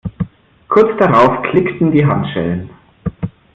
Kurz darauf klickten die Handschellen.